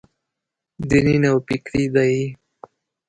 دیني نوفکري دی.